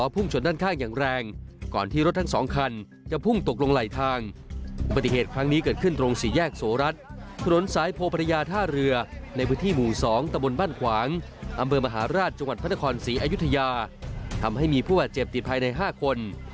พระนครศรียุธยามีอายุทยาทำให้มีผู้บาดเจ็บติดภัยในห้าคน